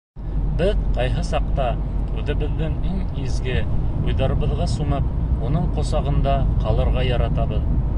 Беҙ ҡайһы саҡта үҙебеҙҙең иң изге уйҙарыбыҙға сумып, уның ҡосағында ҡалырға яратабыҙ.